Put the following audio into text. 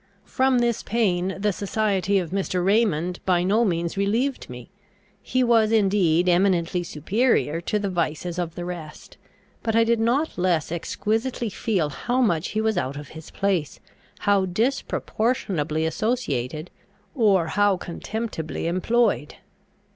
From this pain the society of Mr. Raymond by no means relieved me. He was indeed eminently superior to the vices of the rest; but I did not less exquisitely feel how much he was out of his place, how disproportionably associated, or how contemptibly employed.